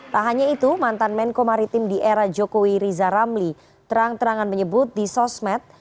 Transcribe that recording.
tak hanya itu mantan menko maritim di era jokowi riza ramli terang terangan menyebut di sosmed